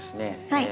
はい。